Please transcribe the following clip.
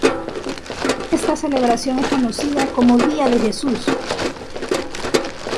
Esta celebración es conocida como Día de Jesús.